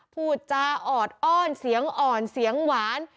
พูดจาออดอ้อนเสียงอ่อนเสียงหวาน